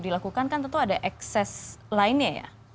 dilakukan kan tentu ada ekses lainnya ya